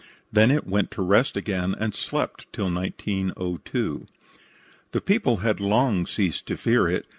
Then it went to rest again, and slept till 1902. The people had long ceased to fear it.